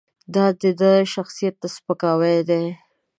دا د ده شخصیت ته سپکاوی دی.